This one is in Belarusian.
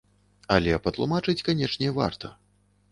Але патлумачыць, канечне, варта.